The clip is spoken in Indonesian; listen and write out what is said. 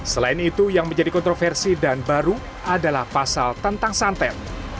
selain itu yang menjadi kontroversi dan baru adalah pasal tentang santet